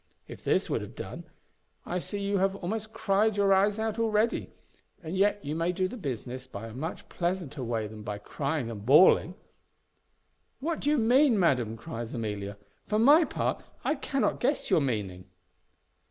If this would have done, I see you have almost cried your eyes out already. And yet you may do the business by a much pleasanter way than by crying and bawling." "What do you mean, madam?" cries Amelia. "For my part, I cannot guess your meaning."